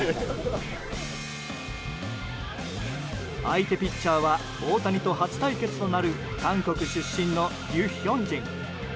相手ピッチャーは大谷と初対決となる韓国出身のリュ・ヒョンジン。